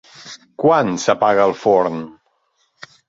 Quan s'apaga el forn?